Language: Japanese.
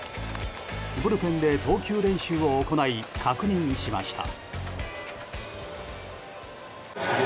ブルペンで投球練習を行い確認しました。